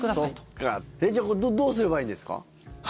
そっか、じゃあこれどうすればいいんですか？